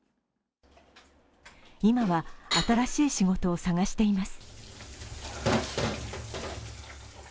今は新しい仕事を探しています。